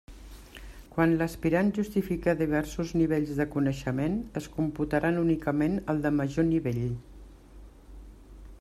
Quan l'aspirant justifique diversos nivells de coneixement es computaran únicament el de major nivell.